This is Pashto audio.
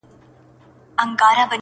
په لامبو کي یې ځان نه وو آزمېیلی،